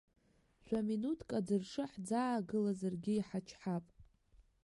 Жәаминуҭк, аӡыршы ҳӡаагылазаргьы иҳачҳап.